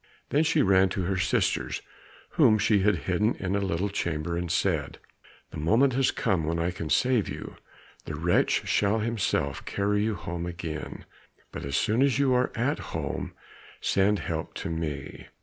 Then she ran to her sisters, whom she had hidden in a little chamber, and said, "The moment has come when I can save you. The wretch shall himself carry you home again, but as soon as you are at home send help to me."